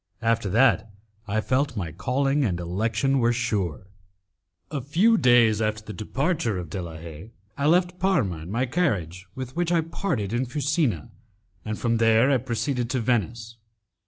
After that, I felt my calling and election were sure. A few days after the departure of De la Haye, I left Parma in my carriage with which I parted in Fusina, and from there I proceeded to Venice.